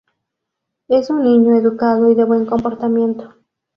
Es un niño educado y de buen comportamiento.